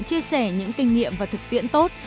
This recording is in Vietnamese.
chia sẻ những kinh nghiệm và thực tiễn tốt